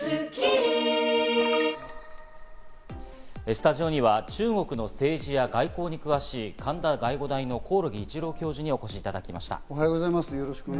スタジオには中国の政治や外交に詳しい神田外語大の興梠一郎教授にお越しいただきました。